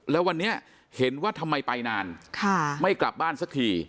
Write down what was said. แล้ววันนี้เห็นว่าทำไมไปนานไม่กลับบ้านสักที